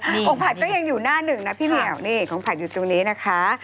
ของผัดก็ยังอยู่หน้าหนึ่งนะพี่เหมียวนี่ของผัดอยู่ตรงนี้นะคะ